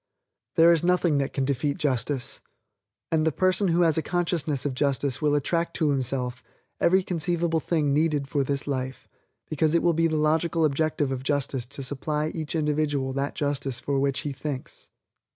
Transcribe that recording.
There is nothing that can defeat justice; and the person who has a consciousness of justice will attract to himself every conceivable thing needed for this life, because it will be the logical objective of justice to supply to each individual that justice for which he thinks.